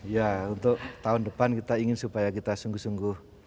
ya untuk tahun depan kita ingin supaya kita sungguh sungguh